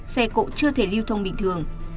xe cộ chưa thể lưu thông bình thường